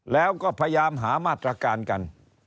แล้วก็พยายามหามาตรการกัน